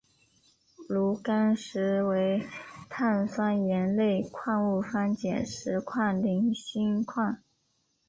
炉甘石为碳酸盐类矿物方解石族菱锌矿。